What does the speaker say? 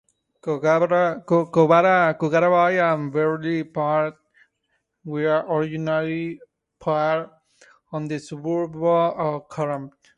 Kogarah Bay and Beverley Park were originally part of the suburb of Kogarah.